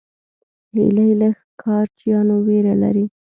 هیلۍ له ښکار چیانو ویره لري